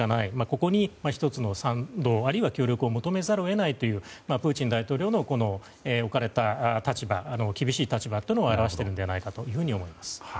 ここに１つの賛同あるいは協力を求めざるを得ないというプーチン大統領の置かれた厳しい立場を表しているのではないかと思います。